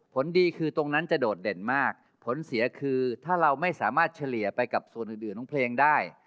ผลดีคือตรงนั้นจะโดดเด่นมากผลเสียคือถ้าเราไม่สามารถเฉลี่ยไปกับส่วนอื่นของเพลงได้